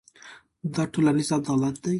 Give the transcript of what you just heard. دا ټولنیز عدالت دی.